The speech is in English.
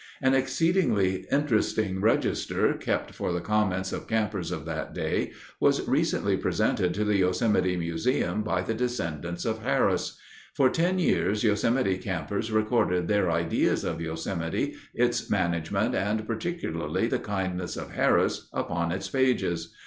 An exceedingly interesting register, kept for the comments of campers of that day, was recently presented to the Yosemite Museum by the descendants of Harris. For ten years Yosemite campers recorded their ideas of Yosemite, its management, and particularly the kindness of Harris, upon its pages.